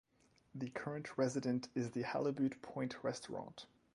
The current resident is the Halibut Point Restaurant.